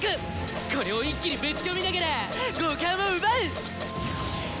これを一気にぶちこみながら五感を奪う！